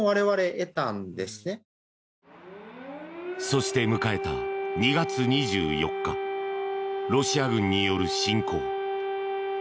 そして迎えた、２月２４日ロシア軍による侵攻。